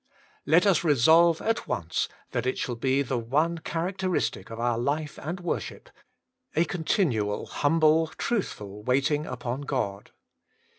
Let us resolve at once that it shall be the one characteristic of our life and worship, a continual, humble, truthful waiting upon God.